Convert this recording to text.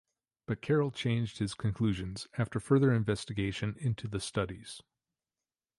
But Carroll changed his conclusions after further investigation into the studies.